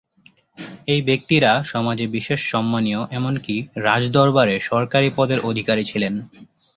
এই ব্যক্তিরা সমাজে বিশেষ সম্মানীয় এমনকি রাজ দরবারে সরকারী পদের অধিকারী ছিলেন।